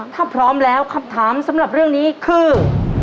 ถ้าพร้อมแล้วคำถามสำหรับเรื่องนี้คือ